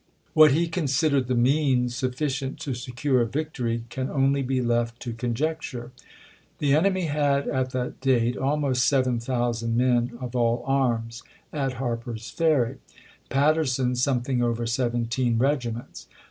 What he considered "the means" sufficient to 8ton,'"Nar sccurc & vlctory can only be left to conjecture. Miiitery The enemy had at that date " almost seven thou tions,"p.22. sand men of all arms " at Harper's Ferry ; Patterson something over seventeen regiments.